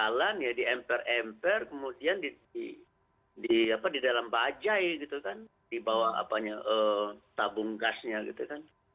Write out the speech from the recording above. ya di jalan ya di emper emper kemudian di dalam bajai gitu kan di bawah tabung gasnya gitu kan